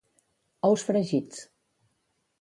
Ous fregits.